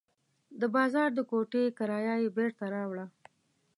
د بازار د کوټې کرایه یې بېرته راوړه.